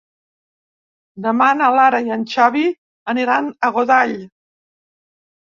Demà na Lara i en Xavi aniran a Godall.